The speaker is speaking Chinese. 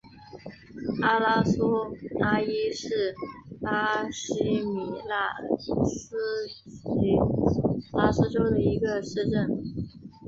阿拉苏阿伊是巴西米纳斯吉拉斯州的一个市镇。